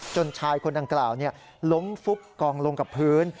ชายคนดังกล่าวล้มฟุบกองลงกับพื้น